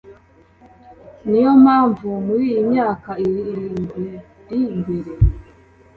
ni yo mpamvu muri iyi myaka irindwiiri imbere